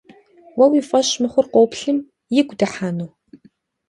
Уэ уи фӀэщ мыхъур къоплъым игу дыхьэну?